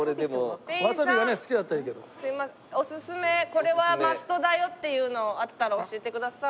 これはマストだよっていうのあったら教えてください。